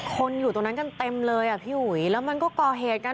คนอยู่ตรงนั้นกันเต็มเลยแล้วมันก็ก้อเหตุกัน